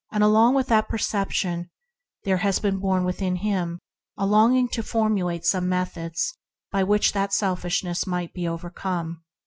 Along with this perception there has been born within him a longing to formulate some method by which such selfishness might be overcome.